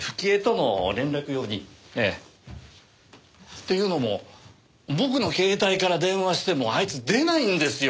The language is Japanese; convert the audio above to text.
っていうのも僕の携帯から電話してもあいつ出ないんですよ。